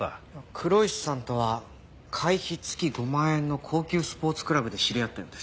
黒石さんとは会費月５万円の高級スポーツクラブで知り合ったようです。